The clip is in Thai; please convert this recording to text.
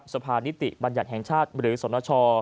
สภานิติบัญญัติแห่งชาติหรือสนช